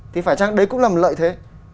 thì phải chăng đấy cũng là một lợi thế